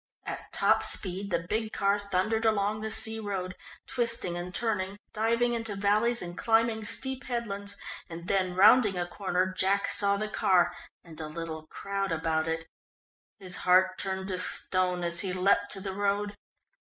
At top speed the big car thundered along the sea road, twisting and turning, diving into valleys and climbing steep headlands, and then rounding a corner, Jack saw the car and a little crowd about it. His heart turned to stone as he leapt to the road.